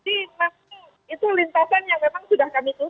tapi itu lintasan yang memang sudah kami tutup